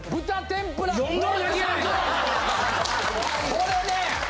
これね！